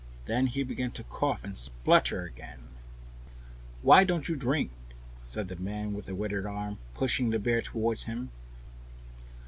Then he began to cough and splutter again. "Why don't you drink?" said the man with the withered arm, pushing the beer toward him.